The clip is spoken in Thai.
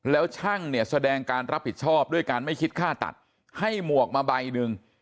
แล้วช่างเนี่ยแสดงการรับผิดชอบด้วยการไม่คิดค่าตัดให้หมวกมาใบหนึ่ง